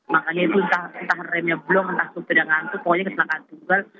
makanya itu entah remnya blom entah tiba tiba tidak ngantuk pokoknya kecelakaan tunggal